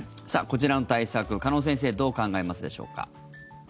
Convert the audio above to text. こちらの対策、鹿野先生どう考えますでしょうか。